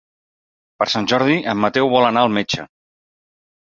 Per Sant Jordi en Mateu vol anar al metge.